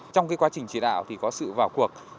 trong quá trình chỉ đạo có sự vào cuộc